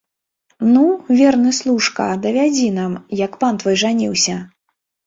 Ну, верны служка, давядзі нам, як пан твой жаніўся!